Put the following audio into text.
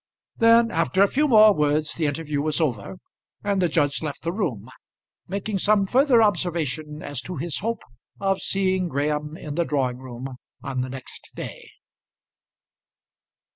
Then after a few more words the interview was over, and the judge left the room making some further observation as to his hope of seeing Graham in the drawing room on the next day.